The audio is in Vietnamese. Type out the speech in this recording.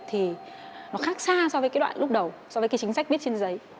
thì nó khác xa so với cái đoạn lúc đầu so với cái chính sách biết trên giấy